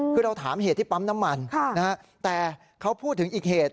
คือเราถามเหตุที่ปั๊มน้ำมันแต่เขาพูดถึงอีกเหตุ